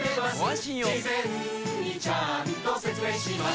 事前にちゃんと説明します